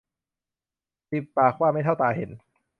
สิบปากว่าไม่เท่าตาเห็น